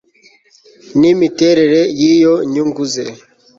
n imiterere y iyo nyungu ze